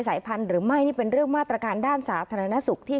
สายพันธุ์หรือไม่นี่เป็นเรื่องมาตรการด้านสาธารณสุขที่